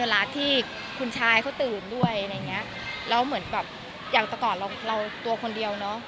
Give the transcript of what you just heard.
เวลาที่คุณชายเขาตื่นด้วยอะไรอย่างเงี้ยแล้วเหมือนแบบอย่างแต่ก่อนเราเราตัวคนเดียวเนอะ